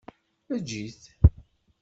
Eǧǧ-it.